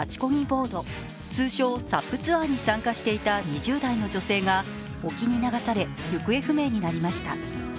ボード、通称・ＳＵＰツアーに参加していた２０代の女性が沖に流され行方不明になりました。